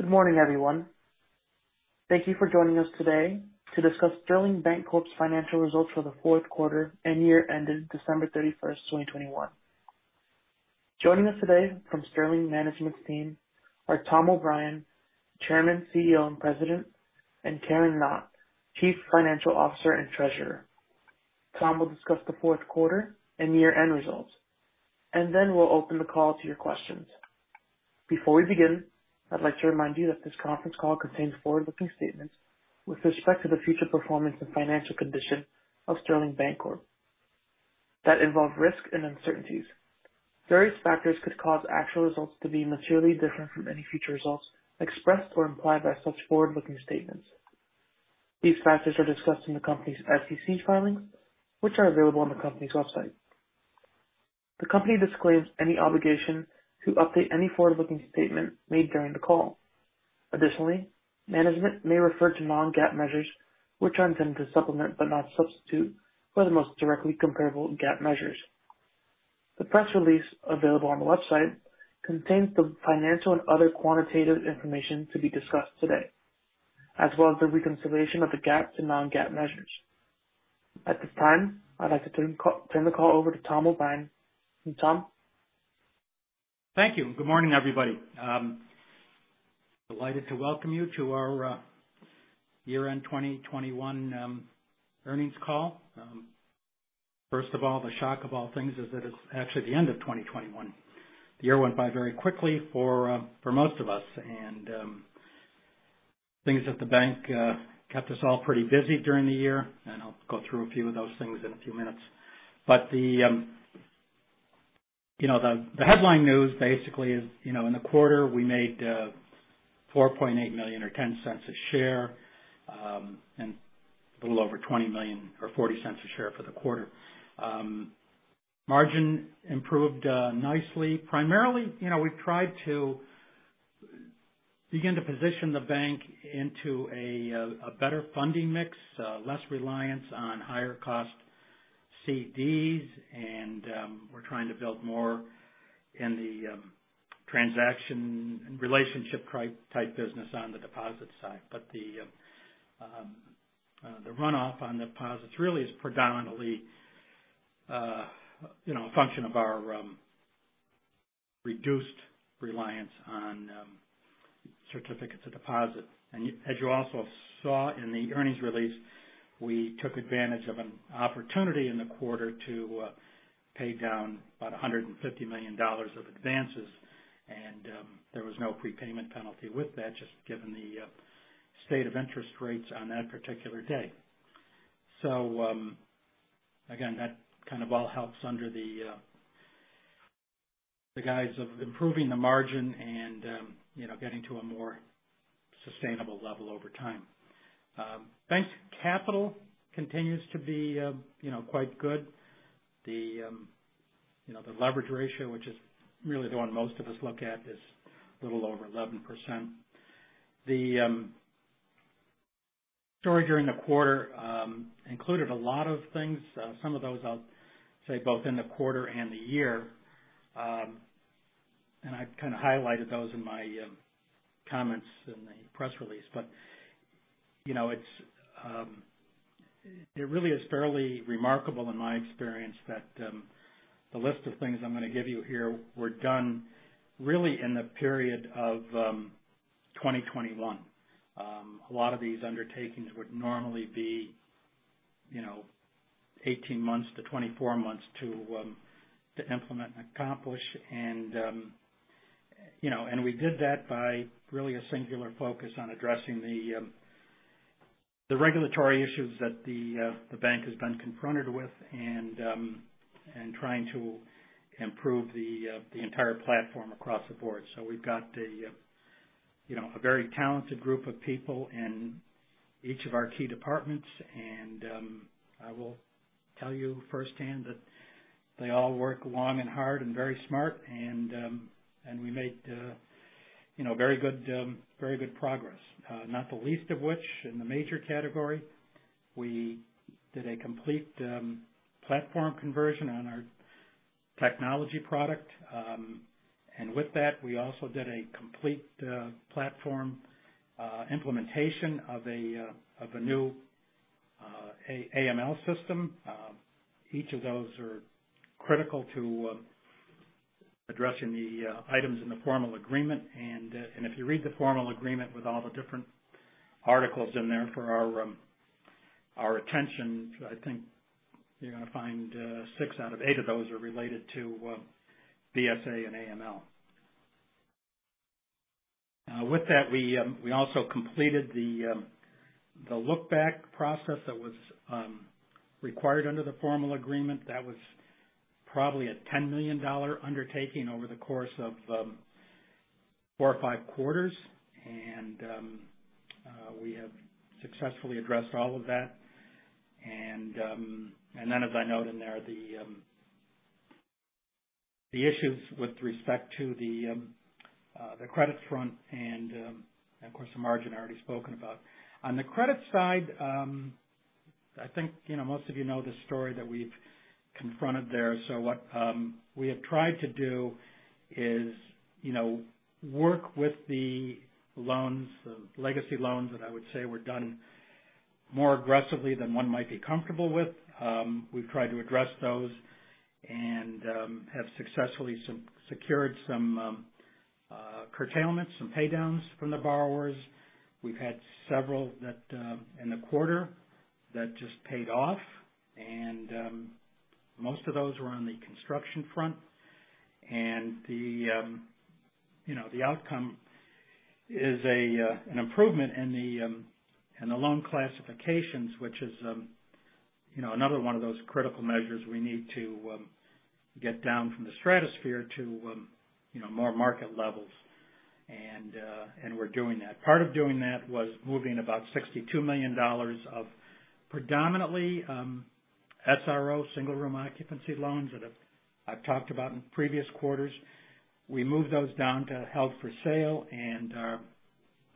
Good morning, everyone. Thank you for joining us today to discuss Sterling Bancorp's financial results for the fourth quarter and year ended December 31, 2021. Joining us today from Sterling management's team are Tom O'Brien, Chairman, CEO and President, and Karen Knott, Chief Financial Officer and Treasurer. Tom will discuss the fourth quarter and year-end results, and then we'll open the call to your questions. Before we begin, I'd like to remind you that this conference call contains forward-looking statements with respect to the future performance and financial condition of Sterling Bancorp that involve risk and uncertainties. Various factors could cause actual results to be materially different from any future results expressed or implied by such forward-looking statements. These factors are discussed in the company's SEC filings, which are available on the company's website. The company disclaims any obligation to update any forward-looking statement made during the call. Additionally, management may refer to non-GAAP measures, which are intended to supplement but not substitute for the most directly comparable GAAP measures. The press release available on the website contains the financial and other quantitative information to be discussed today, as well as the reconciliation of the GAAP to non-GAAP measures. At this time, I'd like to turn the call over to Tom O'Brien. Tom? Thank you. Good morning, everybody. Delighted to welcome you to our year-end 2021 earnings call. First of all, the shock of all things is that it's actually the end of 2021. The year went by very quickly for most of us and things at the bank kept us all pretty busy during the year, and I'll go through a few of those things in a few minutes. The headline news basically is, you know, in the quarter we made $4.8 million or $0.10 a share, and a little over $20 million or $0.40 a share for the quarter. Margin improved nicely. Primarily, you know, we've tried to begin to position the bank into a better funding mix, less reliance on higher cost CDs, and we're trying to build more in the transaction relationship type business on the deposit side. The runoff on deposits really is predominantly, you know, a function of our reduced reliance on certificates of deposit. As you also saw in the earnings release, we took advantage of an opportunity in the quarter to pay down about $150 million of advances, and there was no prepayment penalty with that, just given the state of interest rates on that particular day. Again, that kind of all helps under the guise of improving the margin and, you know, getting to a more sustainable level over time. Bank capital continues to be, you know, quite good. You know, the leverage ratio, which is really the one most of us look at, is a little over 11%. The story during the quarter included a lot of things, some of those I'll say both in the quarter and the year. I kind of highlighted those in my comments in the press release. You know, it really is fairly remarkable in my experience that the list of things I'm gonna give you here were done really in the period of 2021. A lot of these undertakings would normally be, you know, 18-24 months to implement and accomplish and we did that by really a singular focus on addressing the regulatory issues that the bank has been confronted with and trying to improve the entire platform across the board. We've got, you know, a very talented group of people in each of our key departments. I will tell you firsthand that they all work long and hard and very smart and we made, you know, very good progress. Not the least of which in the major category, we did a complete platform conversion on our technology product. With that, we also did a complete platform implementation of a new AML system. Each of those are critical to addressing the items in the Formal Agreement. If you read the Formal Agreement with all the different articles in there for our attention, I think you're gonna find six out of eight of those are related to BSA and AML. With that, we also completed the look-back process that was required under the Formal Agreement. That was probably a $10 million undertaking over the course of four or five quarters. We have successfully addressed all of that. Then as I note in there, the issues with respect to the credit front and of course the margin I already spoken about. On the credit side, I think, you know, most of you know the story that we've confronted there. What we have tried to do is, you know, work with the loans, the legacy loans that I would say were done more aggressively than one might be comfortable with. We've tried to address those and have successfully secured some curtailments, some pay downs from the borrowers. We've had several that in the quarter that just paid off. Most of those were on the construction front. You know, the outcome is an improvement in the loan classifications, which is you know another one of those critical measures we need to get down from the stratosphere to you know more market levels. We're doing that. Part of doing that was moving about $62 million of predominantly SRO, single-room occupancy loans that I've talked about in previous quarters. We moved those down to held for sale and are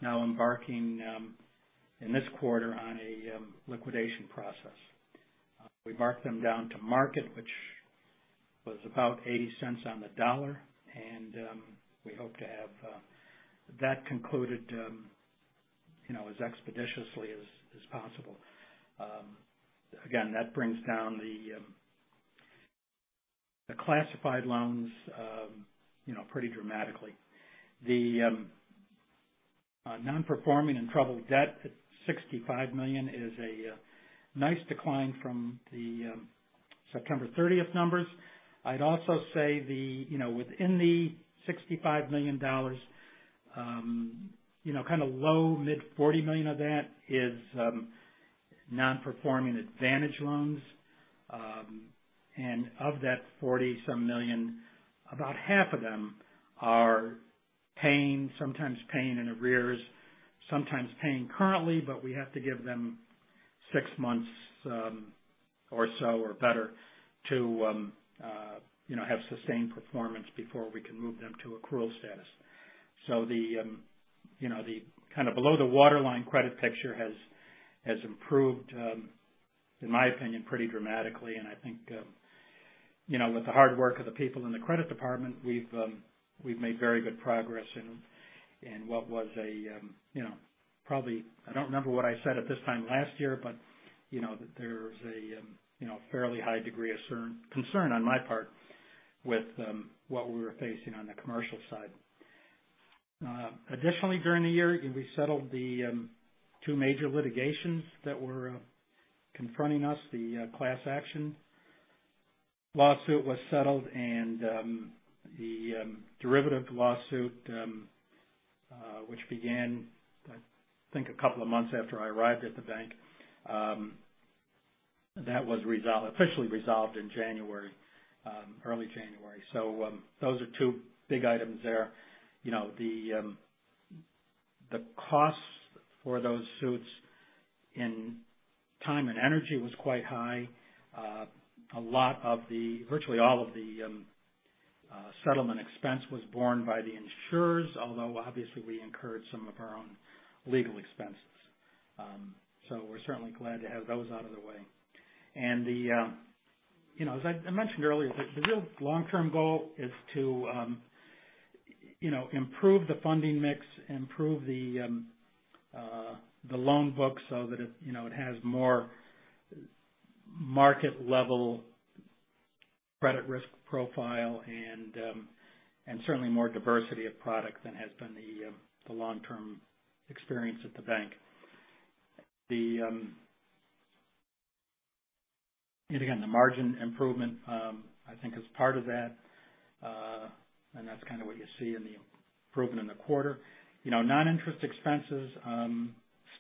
now embarking in this quarter on a liquidation process. We marked them down to market, which was about $0.80 on the dollar, and we hope to have that concluded you know as expeditiously as possible. Again, that brings down the classified loans you know pretty dramatically. The non-performing and troubled debt at $65 million is a nice decline from the September 30 numbers. I'd also say the, you know, within the $65 million, you know, kind of low- to mid-$40 million of that is non-performing Advantage loans. Of that $40-some million, about half of them are paying, sometimes paying in arrears, sometimes paying currently, but we have to give them 6 months or so, or better to have sustained performance before we can move them to accrual status. The kind of below the waterline credit picture has improved in my opinion pretty dramatically. I think, you know, with the hard work of the people in the credit department, we've made very good progress in what was a, you know, probably. I don't remember what I said at this time last year, but, you know, there was a, you know, fairly high degree of concern on my part with what we were facing on the commercial side. Additionally, during the year, we settled the two major litigations that were confronting us. The class action lawsuit was settled, and the derivative lawsuit, which began, I think a couple of months after I arrived at the bank, that was officially resolved in early January. Those are two big items there. You know, the costs for those suits in time and energy was quite high. Virtually all of the settlement expense was borne by the insurers, although obviously we incurred some of our own legal expenses. We're certainly glad to have those out of the way. You know, as I mentioned earlier, the real long-term goal is to you know, improve the funding mix, improve the loan book so that it, you know, it has more market-level credit risk profile and certainly more diversity of product than has been the long-term experience at the bank. The margin improvement I think is part of that. That's kind of what you see in the improvement in the quarter. You know, non-interest expenses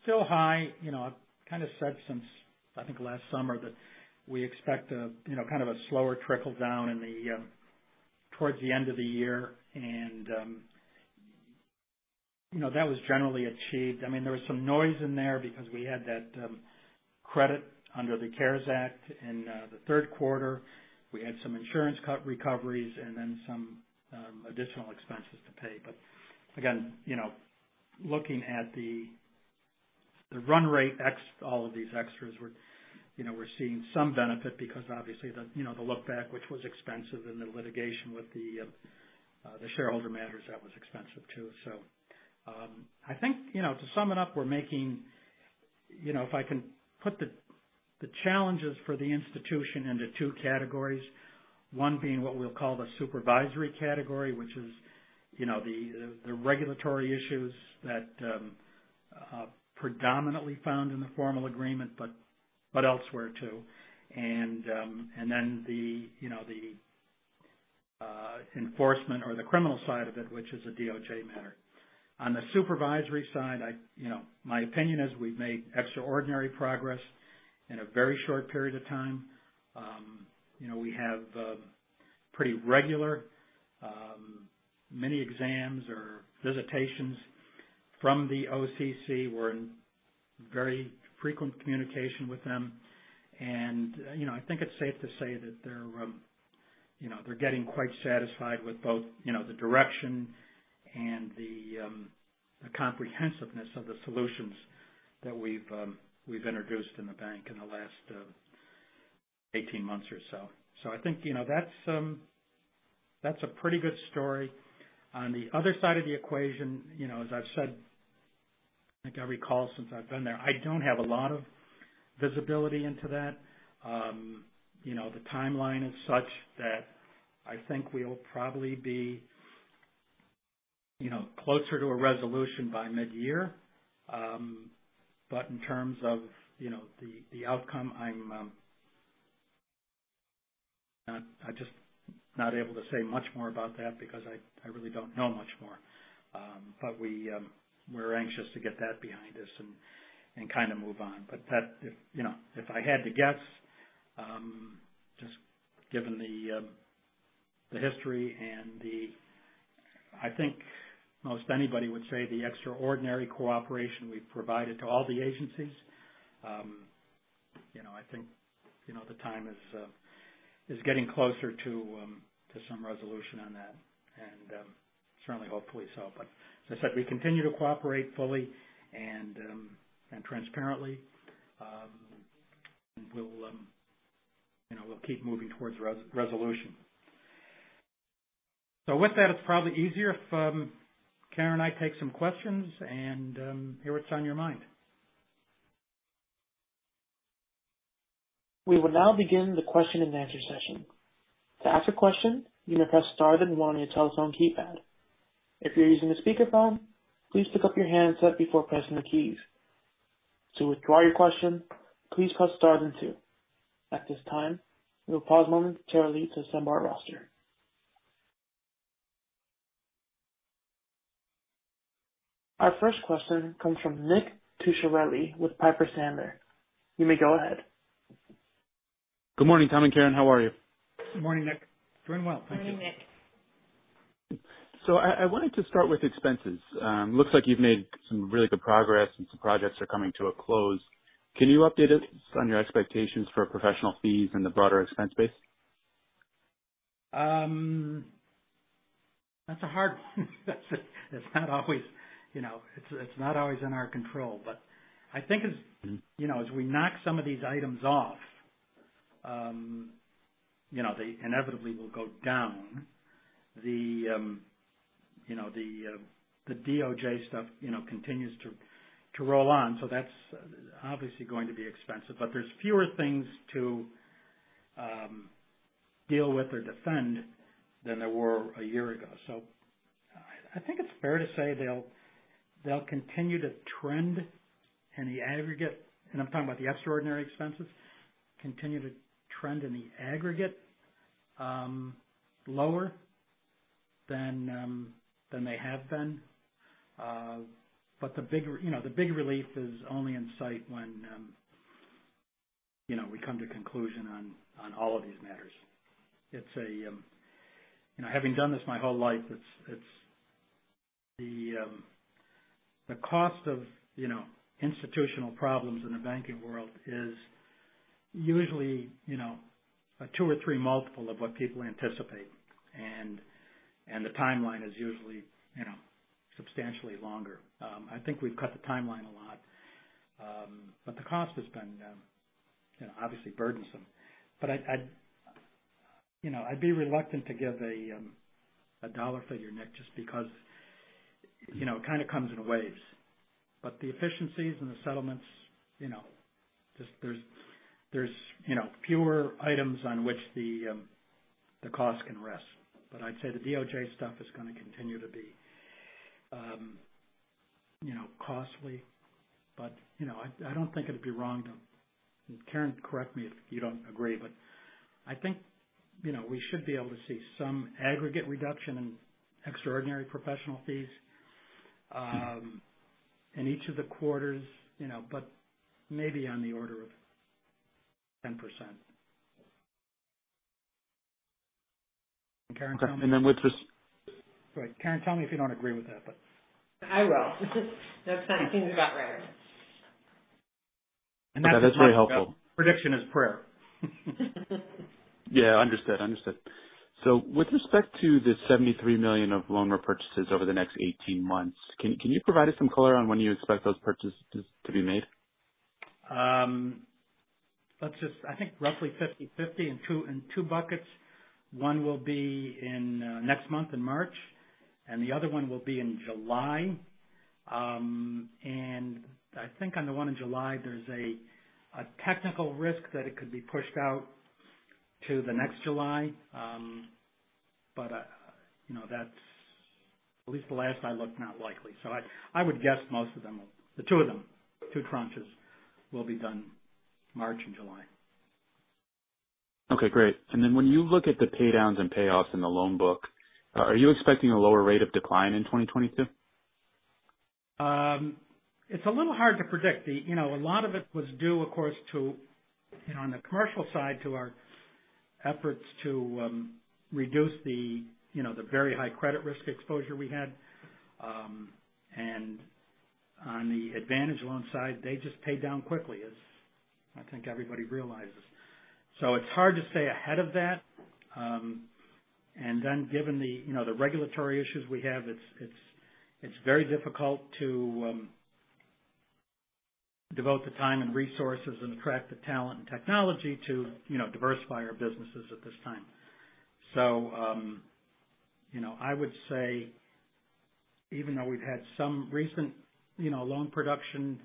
still high. You know, I've kind of said since, I think, last summer that we expect a, you know, kind of a slower trickle down in the towards the end of the year. You know, that was generally achieved. I mean, there was some noise in there because we had that credit under the CARES Act in the third quarter. We had some insurance recoveries and then some additional expenses to pay. Again, you know, looking at the run rate ex all of these extras, we're, you know, we're seeing some benefit because obviously the, you know, the look back, which was expensive and the litigation with the shareholder matters, that was expensive too. I think, you know, to sum it up, we're making, you know, if I can put the challenges for the institution into two categories, one being what we'll call the supervisory category, which is, you know, the regulatory issues that predominantly found in the Formal Agreement, but elsewhere too. The enforcement or the criminal side of it, which is a DOJ matter. On the supervisory side, I, you know, my opinion is we've made extraordinary progress in a very short period of time. You know, we have pretty regular many exams or visitations from the OCC. We're in very frequent communication with them. You know, I think it's safe to say that they're getting quite satisfied with both, you know, the direction and the comprehensiveness of the solutions that we've introduced in the bank in the last 18 months or so. I think, you know, that's a pretty good story. On the other side of the equation, you know, as I've said, I think I recall since I've been there, I don't have a lot of visibility into that. You know, the timeline is such that I think we'll probably be, you know, closer to a resolution by mid-year. In terms of, you know, the outcome, I'm not able to say much more about that because I really don't know much more. We're anxious to get that behind us and kinda move on. That, you know, if I had to guess, just given the history and I think most anybody would say the extraordinary cooperation we've provided to all the agencies, you know, I think, you know, the time is getting closer to some resolution on that. Certainly, hopefully so. As I said, we continue to cooperate fully and transparently. We'll, you know, keep moving towards resolution. With that, it's probably easier if Karen and I take some questions and hear what's on your mind. We will now begin the question-and-answer session. To ask a question, you may press star then one on your telephone keypad. If you're using a speakerphone, please pick up your handset before pressing the keys. To withdraw your question, please press star then two. At this time, we will pause a moment to thoroughly assemble our roster. Our first question comes from Nick Cucharale with Piper Sandler. You may go ahead. Good morning, Tom and Karen. How are you? Good morning, Nick. Doing well. Thank you. Morning, Nick. I wanted to start with expenses. Looks like you've made some really good progress and some projects are coming to a close. Can you update us on your expectations for professional fees and the broader expense base? That's a hard one. It's not always, you know, in our control. I think, you know, as we knock some of these items off, you know, they inevitably will go down. The DOJ stuff, you know, continues to roll on, so that's obviously going to be expensive, but there's fewer things to deal with or defend than there were a year ago. I think it's fair to say they'll continue to trend in the aggregate, and I'm talking about the extraordinary expenses, lower than they have been. The big relief is only in sight when, you know, we come to conclusion on all of these matters. It's a. You know, having done this my whole life, it's the cost of, you know, institutional problems in the banking world is usually, you know, a 2 or 3 multiple of what people anticipate. The timeline is usually, you know, substantially longer. I think we've cut the timeline a lot. The cost has been, you know, obviously burdensome. I'd be reluctant to give a dollar figure, Nick, just because, you know, it kinda comes in waves. The efficiencies and the settlements, you know, just there's fewer items on which the cost can rest. I'd say the DOJ stuff is gonna continue to be, you know, costly. You know, I don't think it'd be wrong to Karen, correct me if you don't agree, but I think, you know, we should be able to see some aggregate reduction in extraordinary professional fees in each of the quarters, you know, but maybe on the order of 10%. Karen, tell me- Okay. Sorry. Karen, tell me if you don't agree with that, but. I will. That sounds, seems about right. Okay. That's really helpful. That's what they talk about. Prediction is prayer. Yeah. Understood. With respect to the $73 million of loan repurchases over the next 18 months, can you provide us some color on when you expect those purchases to be made? I think roughly 50/50 in two buckets. One will be in next month in March, and the other one will be in July. I think on the one in July, there's a technical risk that it could be pushed out to the next July. But you know, that's at least the last I looked, not likely. I would guess most of them will. The two tranches will be done March and July. Okay. Great. When you look at the pay downs and payoffs in the loan book, are you expecting a lower rate of decline in 2022? It's a little hard to predict. The, you know, a lot of it was due, of course, to, you know, on the commercial side, to our efforts to reduce the, you know, the very high credit risk exposure we had. On the Advantage Loan side, they just pay down quickly, as I think everybody realizes. It's hard to stay ahead of that. Given the, you know, the regulatory issues we have, it's very difficult to devote the time and resources and attract the talent and technology to, you know, diversify our businesses at this time. You know, I would say even though we've had some recent, you know, loan production,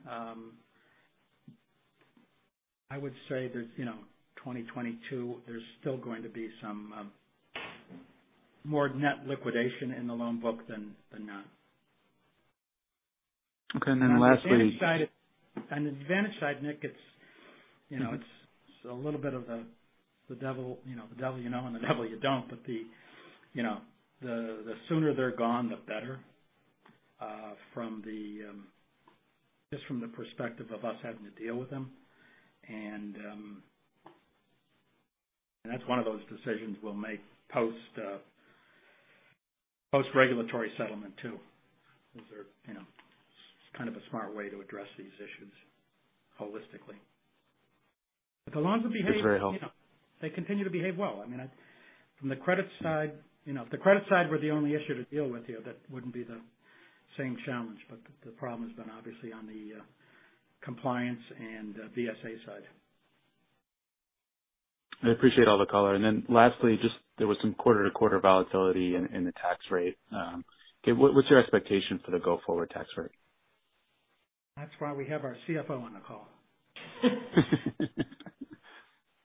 I would say there's, you know, 2022, there's still going to be some more net liquidation in the loan book than not. Okay. Lastly. On the advantage side, Nick, it's, you know, it's a little bit of the devil, you know, the devil you know, and the devil you don't. The sooner they're gone, the better from just the perspective of us having to deal with them. That's one of those decisions we'll make post-regulatory settlement, too. Those are, you know, kind of a smart way to address these issues holistically. The loans will behave. It's very helpful. You know, they continue to behave well. I mean, from the credit side, you know, if the credit side were the only issue to deal with here, that wouldn't be the same challenge. But the problem has been obviously on the compliance and BSA side. I appreciate all the color. Then lastly, just there was some quarter-to-quarter volatility in the tax rate. What's your expectation for the go-forward tax rate? That's why we have our CFO on the call.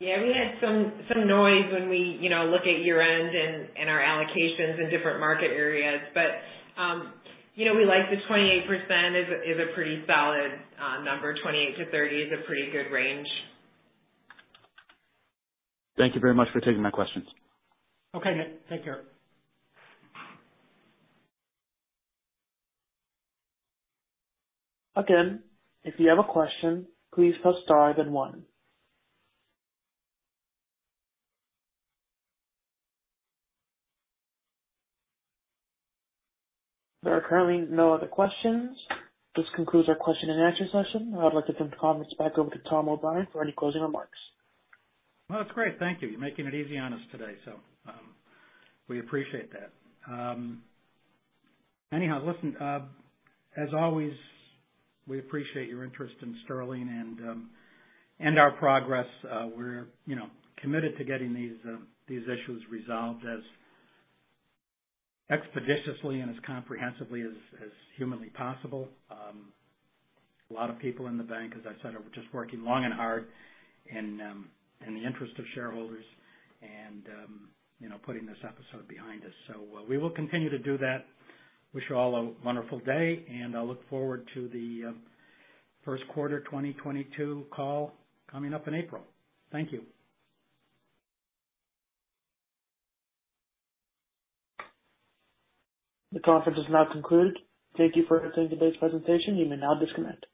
Yeah, we had some noise when we, you know, look at year-end and our allocations in different market areas. We like the 28% is a pretty solid number. 28%-30% is a pretty good range. Thank you very much for taking my questions. Okay, Nick. Take care. Again, if you have a question, please press star then one. There are currently no other questions. This concludes our question-and-answer session. I would like to turn the comments back over to Tom O'Brien for any closing remarks. Well, that's great. Thank you. You're making it easy on us today, so we appreciate that. Anyhow, listen, as always, we appreciate your interest in Sterling and our progress. We're, you know, committed to getting these issues resolved as expeditiously and as comprehensively as humanly possible. A lot of people in the bank, as I said, are just working long and hard and in the interest of shareholders and you know, putting this episode behind us. We will continue to do that. I wish you all a wonderful day, and I look forward to the first quarter 2022 call coming up in April. Thank you. The conference is now concluded. Thank you for attending today's presentation. You may now disconnect.